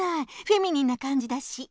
フェミニンなかんじだし。